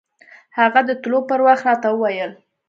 هغه د تلو پر وخت راته وويل.